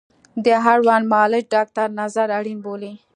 د اړوند معالج ډاکتر نظر اړین بولي